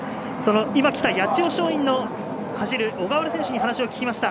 今来た、八千代松陰の走る小川選手に話を聞きました。